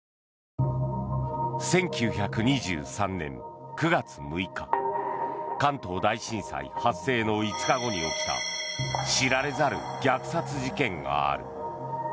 １９２３年９月６日関東大震災発生の５日後に起きた知られざる虐殺事件がある。